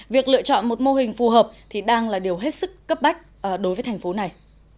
việc lựa chọn một mô hình phù hợp thì đang là điều hết sức cấp bách đối với thành phố này